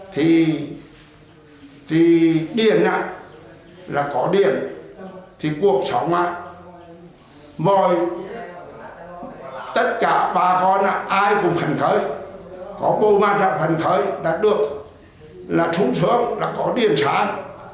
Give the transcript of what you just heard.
thì điện á là có điện thì cuộc sống á mọi tất cả bà con á ai cũng hẳn khởi có bộ ban đạo hẳn khởi đã được là trúng xuống là có điện sáng